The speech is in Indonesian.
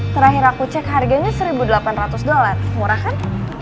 terakhir aku cek harganya satu delapan ratus dollar murah kan